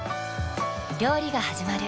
料理がはじまる。